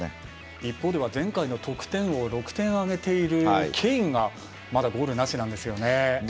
一方では、前回の得点王６点を挙げているケインがまだゴールなしなんですよね。